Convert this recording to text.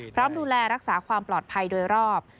ดูแลรักษาความปลอดภัยโดยรอบ